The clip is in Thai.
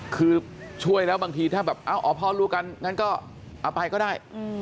คือช่วยแล้วบางทีถ้าแบบเอ้าอ๋อพ่อลูกกันงั้นก็เอาไปก็ได้